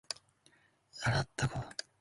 알았다고!